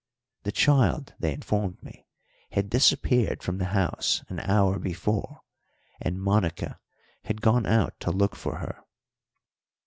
The child, they informed me, had disappeared from the house an hour before, and Monica had gone out to look for her.